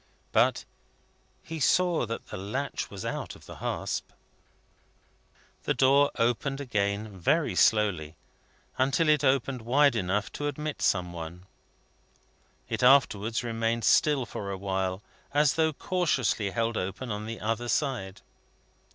But he saw that the latch was out of the hasp. The door opened again very slowly, until it opened wide enough to admit some one. It afterwards remained still for a while, as though cautiously held open on the other side.